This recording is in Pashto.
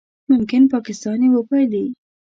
ممکن پاکستان یې وبایلي